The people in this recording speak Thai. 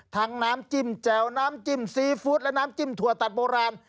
น้ำจิ้มแจ่วน้ำจิ้มซีฟู้ดและน้ำจิ้มถั่วตัดโบราณ